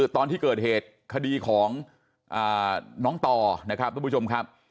ตอนที่เกิดเหตุคดีของน้องต่อนะครับทุกผู้ชมครับ